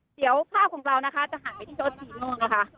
เดี๋ยวภาพของเรานะคะจะหันไปที่รถจีโน่นะคะ